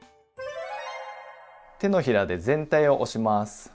手のひらで全体を押します。